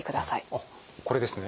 あっこれですね。